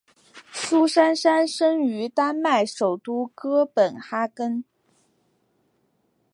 苏珊娜生于丹麦首都哥本哈根。